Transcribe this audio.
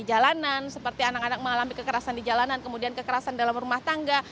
jalanan seperti anak anak mengalami kekerasan di jalanan kemudian kekerasan dalam rumah tangga